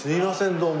どうも。